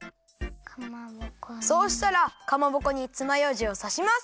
そうしたらかまぼこにつまようじをさします！